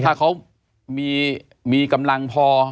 ถ้าเขามีกำลังพอ